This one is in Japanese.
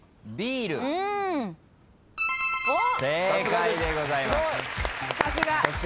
正解でございます。